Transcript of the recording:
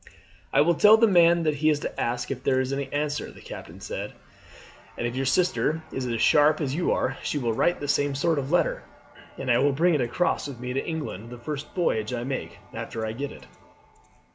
"I will tell the man that he is to ask if there is any answer," the captain said. "And if your sister is as sharp as you are she will write the same sort of letter, and I will bring it across with me to England the first voyage I make after I get it."